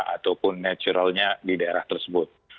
ataupun naturalnya di daerah tersebut